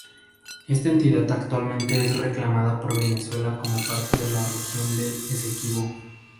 Esta entidad actualmente es reclamada por Venezuela como parte de la Región del Esequibo.